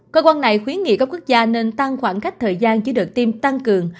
cơ quan này khuyến nghị các quốc gia nên tăng khoảng cách thời gian chỉ được tiêm tăng cường